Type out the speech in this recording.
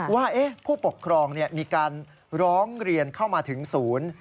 ว่าผู้ปกครองมีการร้องเรียนเข้ามาถึงศูนย์